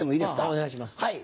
お願いします。